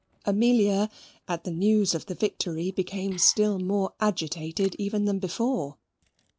Amelia, at the news of the victory, became still more agitated even than before.